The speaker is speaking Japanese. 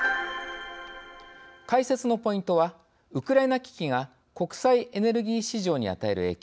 解説のポイントはウクライナ危機が国際エネルギー市場に与える影響。